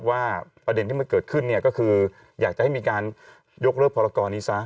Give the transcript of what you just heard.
ประเด็นที่มันเกิดขึ้นเนี่ยก็คืออยากจะให้มีการยกเลิกพรกรนี้ซะ